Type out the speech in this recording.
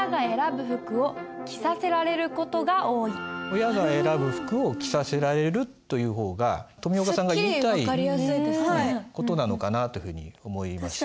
「親が選ぶ服を着させられる」という方がとみあかさんが言いたい事なのかなというふうに思いました。